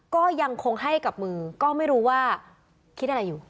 ก็ยังคงให้กับมือก็ไม่รู้ว่าคิดอะไรอยู่